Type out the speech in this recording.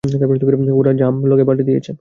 ওরা jump log পাল্টে দিয়েছে।